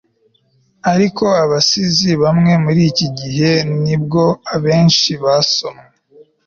ariko abasizi bamwe muri iki gihe, nubwo benshi basomwe